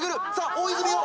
大泉洋